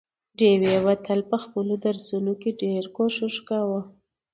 ډېوې به تل په خپلو درسونو کې ډېر کوښښ کاوه،